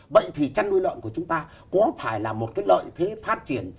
vậy thì chăn nuôi lợn của chúng ta có phải là một cái lợi thế phát triển